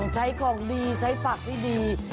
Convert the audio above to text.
ใช้ของดีใช้ฝากที่ดี